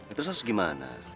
itu harus gimana